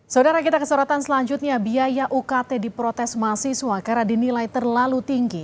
saudara kita kesorotan selanjutnya biaya ukt diprotes mahasiswa karena dinilai terlalu tinggi